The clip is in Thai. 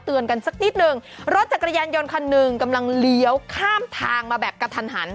เตือนกันสักนิดนึงรถจากกระยานยนต์คัน๑กำลังเลี้ยวข้ามทางมาแบบกระทันหัน